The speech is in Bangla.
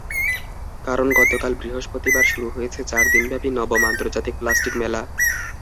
কারণ গতকাল বৃহস্পতিবার শুরু হয়েছে চার দিনব্যাপী নবম আন্তর্জাতিক প্লাস্টিক মেলা।